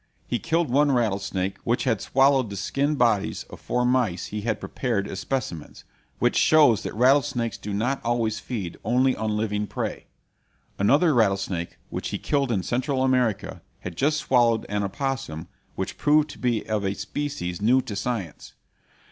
He killed one rattlesnake which had swallowed the skinned bodies of four mice he had prepared as specimens; which shows that rattlesnakes do not always feed only on living prey. Another rattlesnake which he killed in Central America had just swallowed an opossum which proved to be of a species new to science.